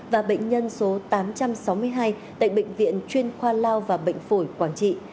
và bệnh nhân số tám trăm sáu mươi hai tại bệnh viện chuyên khoa lao và bệnh phổi quảng trị